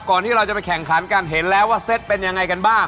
ที่เราจะไปแข่งขันกันเห็นแล้วว่าเซตเป็นยังไงกันบ้าง